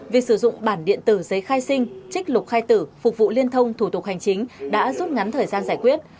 việc sử dụng bản điện tử giấy khai sinh trích lục khai tử phục vụ liên thông thủ tục hành chính đã rút ngắn thời gian giải quyết